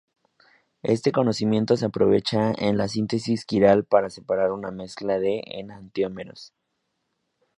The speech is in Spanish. Este conocimiento se aprovecha en la síntesis quiral para separar una mezcla de enantiómeros.